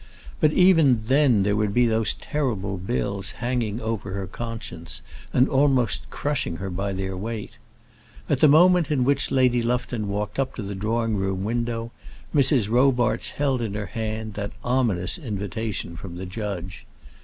But even then there would be those terrible bills hanging over her conscience, and almost crushing her by their weight. At the moment in which Lady Lufton walked up to the drawing room window, Mrs. Robarts held in her hand that ominous invitation from the judge.